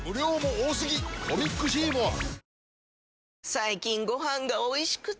最近ご飯がおいしくて！